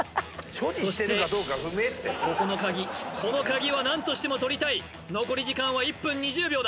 そしてここのカギこのカギは何としても取りたい残り時間は１分２０秒だ